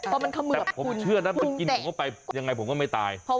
แต่ผมเชื่อนะมันกินผมเข้าไปยังไงผมก็ไม่ตาย